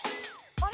あれ？